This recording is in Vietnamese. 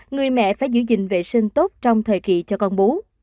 người mẹ phải giữ gìn vệ sinh tốt trong thời kỳ cho con bú